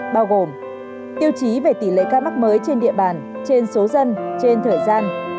bao gồm tiêu chí về tỷ lệ ca mắc mới trên địa bàn trên số dân trên thời gian